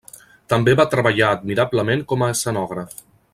També va treballar admirablement com a escenògraf.